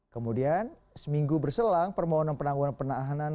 kemudian seminggu berselang permohonan penangguhan penahanan